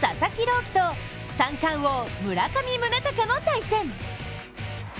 希と三冠王・村上宗隆の対戦。